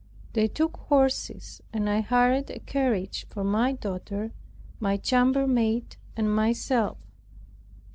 They took horses, and I hired a carriage for my daughter, my chambermaid and myself.